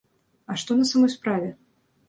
А што на самой справе?